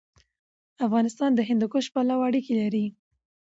افغانستان د هندوکش پلوه اړیکې لري.